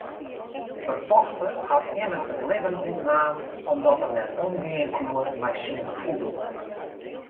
Fertochte hat immen it libben ûntnaam omdat er net omgean koe mei syn gefoel.